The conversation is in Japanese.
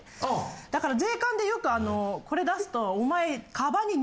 だから税関でよくこれ出すとお前。